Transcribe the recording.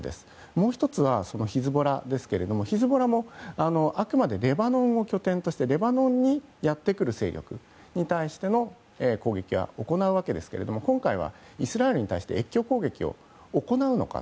もう１つはヒズボラですがヒズボラもあくまでレバノンを拠点としたレバノンにやってくる勢力に対しての攻撃は行うわけですが今回はイスラエルに対して越境攻撃を行うのか。